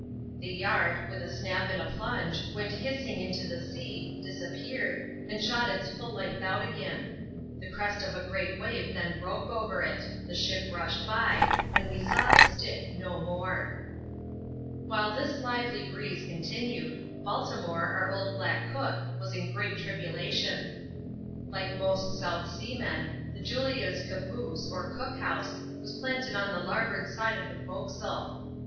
The yard, with a snap and a plunge, went hissing into the sea, disappeared, and shot its full length out again. The crest of a great wave then broke over it — the ship rushed by — and we saw the stick no more. caiAP. xv!.] WE ENCOUNTER A GALE. 5» While this liyelj breese oontinaed, Baltimore, our old black cocky was in great tribulation. like most South Seamen^ the Julia's '^ caboose," or cook house, was planted on the larboard side of the forecastle.